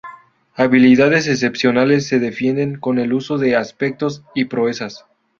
Habilidades excepcionales se definen con el uso de Aspectos y Proezas.